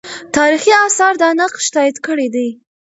تاریخي آثار دا نقش تایید کړی دی.